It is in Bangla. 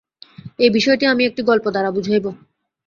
এই বিষয়টি আমি একটি গল্প দ্বারা বুঝাইব।